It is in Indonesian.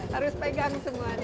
harus pegang semuanya